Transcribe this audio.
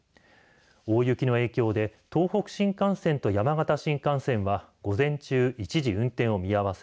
大雪の影響で東北新幹線と山形新幹線は午前中、一時運転を見合わせ